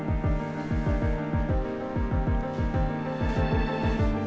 nahqu kenapa siapa